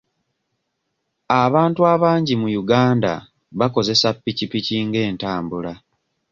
Abantu abangi mu Uganda bakozesa pikipiki ng'entambula.